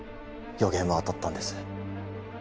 予言は当たったんです